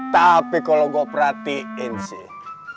tapi kalau gue perhatiin sih